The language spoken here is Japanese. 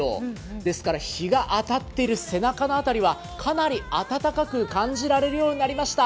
ですから日が当たってる背中の辺りはかなり暖かく感じられるようになりました。